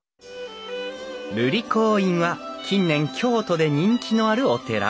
瑠璃光院は近年京都で人気のあるお寺。